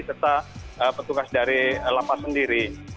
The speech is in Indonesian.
serta petugas dari lapas sendiri